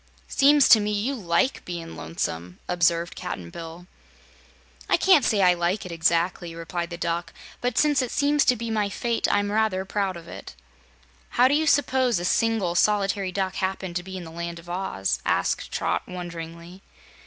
"Seems to me you LIKE bein' lonesome," observed Cap'n Bill. "I can't say I like it, exactly," replied the Duck, "but since it seems to be my fate, I'm rather proud of it." "How do you s'pose a single, solitary Duck happened to be in the Land of Oz?" asked Trot, wonderingly.